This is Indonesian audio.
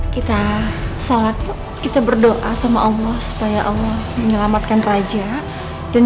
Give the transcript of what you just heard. kita sholat kita berdoa sama allah supaya allah menyelamatkan raja dan